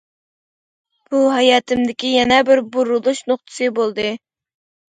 بۇ ھاياتىمدىكى يەنە بىر بۇرۇلۇش نۇقتىسى بولدى.